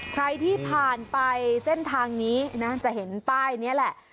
ใครที่ผ่านไปเส้นทางนี้นะจะเห็นป้ายนี้แหละ